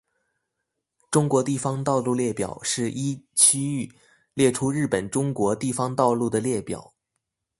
中国地方道路列表是依区域列出日本中国地方道路的列表。